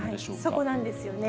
そこなんですよね。